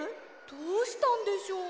どうしたんでしょう？